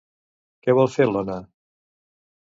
Què vol fer l'Ona?